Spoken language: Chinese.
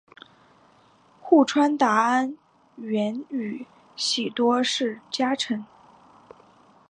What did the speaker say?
户川达安原宇喜多氏家臣。